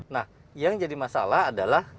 nah yang jadi masalah adalah